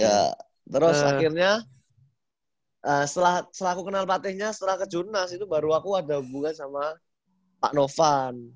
ya terus akhirnya setelah selaku kenal patehnya setelah ke jurnas itu baru aku ada hubungan sama pak novan